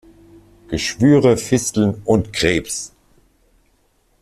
Geschwüre, Fisteln und Krebs.